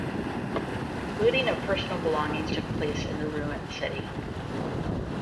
Looting of personal belongings took place in the ruined city.